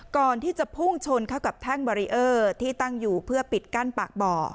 ก่อนที่จะพุ่งชนเข้ากับแท่งบารีเออร์ที่ตั้งอยู่เพื่อปิดกั้นปากบ่อ